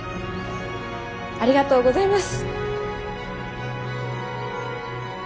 ありがとうございます。